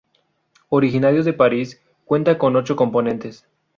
Originario de París, cuenta con ocho componentes.